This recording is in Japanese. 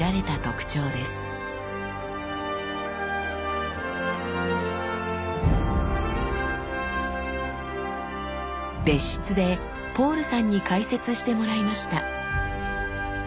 別室でポールさんに解説してもらいました。